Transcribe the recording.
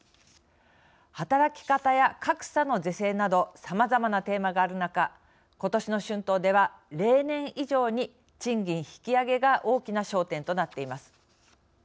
働き方や格差の是正などさまざまなテーマがある中ことしの春闘では、例年以上に賃金引き上げが大きな焦点となっています。